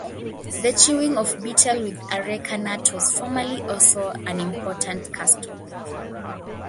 The chewing of betel with areca nut was formerly also an important custom.